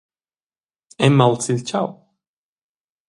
Emma aulza il tgau.